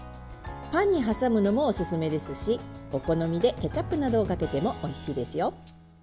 パンに挟むのもおすすめですしお好みでケチャップなどをかけても、おいしいですよ。